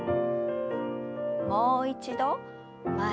もう一度前へ。